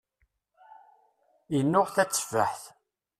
Innuɣ tatefaḥt.